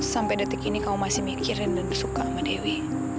sampai detik ini kamu masih mikirin dan suka sama dewi